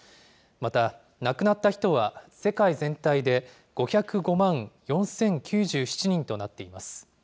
また亡くなった人は、世界全体で５０５万４０９７人となっています。